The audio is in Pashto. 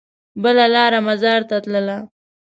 بله لار مزار ته تلله.